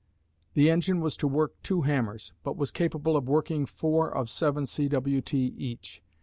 The engine was to work two hammers, but was capable of working four of 7 cwt. each.